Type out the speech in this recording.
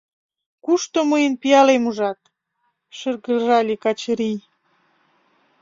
— Кушто мыйын пиалем ужат? — шыргыжале Качырий.